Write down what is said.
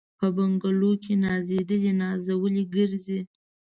په بنګلو کي نازېدلي نازولي ګرځي